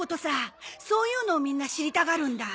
そういうのをみんな知りたがるんだ。